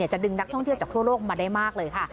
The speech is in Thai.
จะดึงนักท่องเที่ยวจากทั่วโลกมาได้มากเลยค่ะ